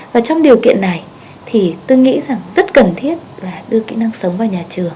và trong điều kiện này thì tôi nghĩ rằng rất cần thiết là đưa kỹ năng sống vào nhà trường